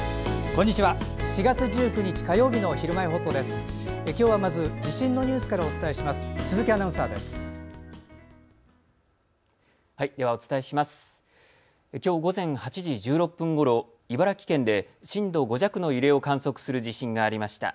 今日午前８時１６分ごろ茨城県で震度５弱の揺れを観測する地震がありました。